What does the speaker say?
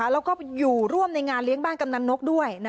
แล้วก็อยู่ร่วมในงานเลี้ยงบ้านกำนันนกด้วย